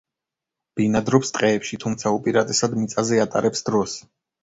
ბინადრობს ტყეებში, თუმცა უპირატესად მიწაზე ატარებს დროს.